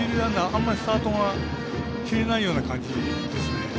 あんまりスタートが切れないような感じですね。